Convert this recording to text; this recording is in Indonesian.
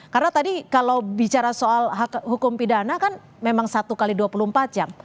karena tadi kalau bicara soal hukum pidana kan memang satu x dua puluh empat jam